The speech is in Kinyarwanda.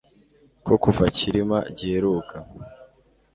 ko kuva cyilima giheruka